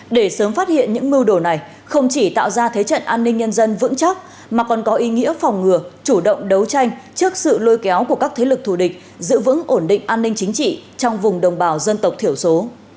để sớm phát hiện những mưu đồ này không chỉ tạo ra thế trận an ninh nhân dân vững chắc mà còn có ý nghĩa phòng ngừa chủ động đấu tranh trước sự lôi kéo của các thế lực thù địch giữ vững ổn định an ninh chính trị trong vùng đồng bào dân tộc thiểu số